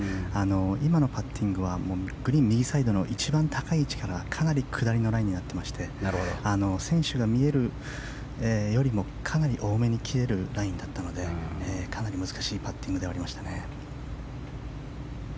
今のパッティングはグリーン右サイドの一番高い位置からかなり下りのラインになっていまして選手が見えるよりもかなり多めに切れるラインだったのでかなり難しいパッティングではありましたね。